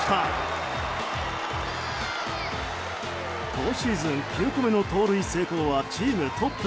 今シーズン９個目の盗塁成功はチームトップ。